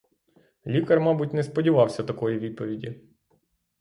Лікар, мабуть, не сподівався такої відповіді.